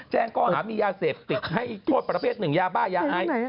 ก้อหามียาเสพติดให้โทษประเภทหนึ่งยาบ้ายาไอ